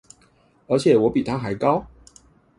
而且我還比他高